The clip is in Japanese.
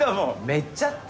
めっちゃって。